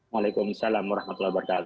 waalaikumsalam warahmatullahi wabarakatuh